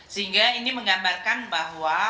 sehingga ini menggambarkan bahwa